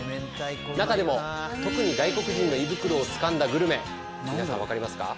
中でも特に外国人の胃袋をつかんだグルメ皆さんわかりますか？